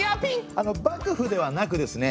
あの幕府ではなくですね